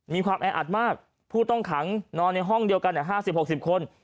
มีความแออัดมากผู้ต้องขังนอนในห้องเดียวกัน๕๐๖๐คน